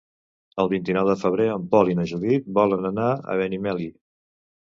El vint-i-nou de febrer en Pol i na Judit volen anar a Benimeli.